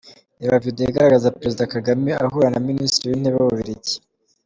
Reba Video igaragaza Perezida Kagame ahura na Minisitiri w’Intebe w’Ububiligi.